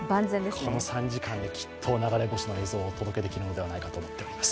この３時間できっと流れ星の映像をお届けできるのではないかと思っています。